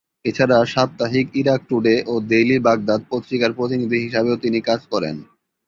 এছাড়া সাপ্তাহিক Iraq today ও ডেইলি বাগদাদ পত্রিকার প্রতিনিধি হিসাবেও তিনি কাজ করেন।